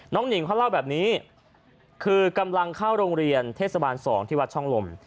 หนิงเขาเล่าแบบนี้คือกำลังเข้าโรงเรียนเทศบาล๒ที่วัดช่องลม